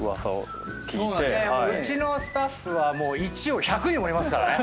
うちのスタッフはもう１を１００に盛りますからね。